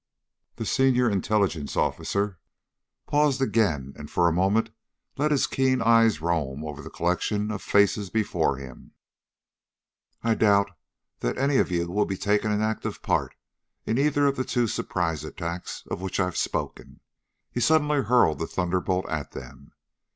The senior Intelligence officer paused again and for a moment let his keen eyes roam over the collection of faces before him. "I doubt that any of you will be taking any active part in either of the two surprise attacks of which I've spoken," he suddenly hurled the thunderbolt at them.